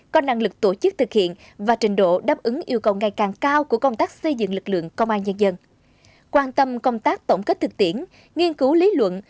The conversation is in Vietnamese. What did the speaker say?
có năng lực tổ chức thực hiện và trình độ đáp ứng yêu cầu ngày càng cao của công tác xây dựng lực lượng công an nhân dân